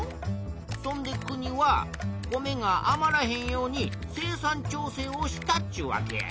そんで国は米があまらへんように生産調整をしたっちゅうわけや。